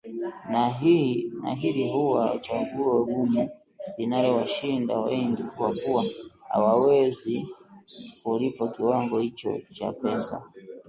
Na hili huwa chaguo gumu linalowashinda wengi kwa kuwa hawawezi kulipa kiwango hicho cha pesa